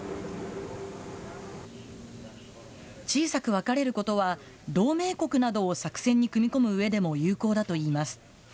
小さく分かれることは、同盟国などを作戦に組み込むうえでも有効だといいます。